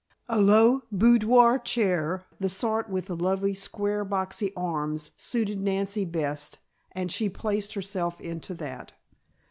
A low boudoir chair, the sort with the lovely square boxy arms, suited Nancy best and she placed herself into that.